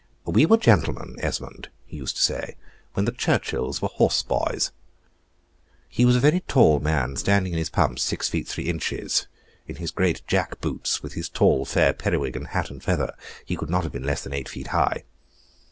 "We were gentlemen, Esmond," he used to say, "when the Churchills were horse boys." He was a very tall man, standing in his pumps six feet three inches (in his great jack boots, with his tall fair periwig, and hat and feather, he could not have been less than eight feet high).